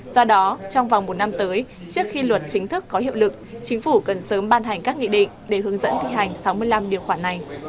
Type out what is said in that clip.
do đó trong vòng một năm tới trước khi luật chính thức có hiệu lực chính phủ cần sớm ban hành các nghị định để hướng dẫn thi hành sáu mươi năm điều khoản này